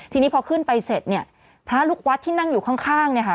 ทีนี้พอขึ้นไปเสร็จเนี่ยพระลูกวัดที่นั่งอยู่ข้างเนี่ยค่ะ